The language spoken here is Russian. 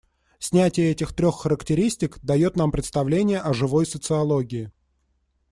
Снятие этих трех характеристик, дает нам представление о живой социологии.